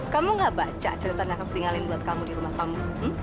kamu gak baca cerita nakas tinggalin buat kamu di rumah kamu ini